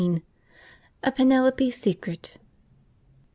A Penelope secret.